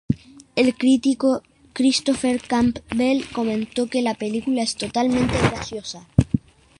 El crítico Christopher Campbell comentó que la película es "totalmente graciosa.